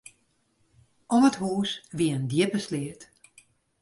Om it hús wie in djippe sleat.